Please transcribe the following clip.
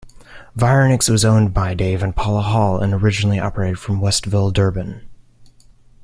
Vironix was owned by Dave and Paula Hall and originally operated from Westville, Durban.